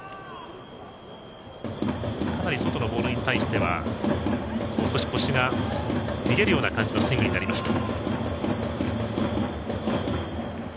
かなり外のボールに対しては腰が逃げるような感じのスイングになりました。